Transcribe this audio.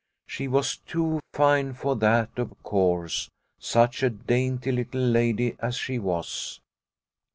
She was too fine for that, of course, such a dainty little lady as she was.